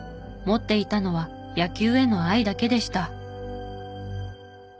持っていたのは野球への愛だけでした。